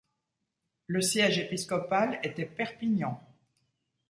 Le siège épiscopal était Perpignan.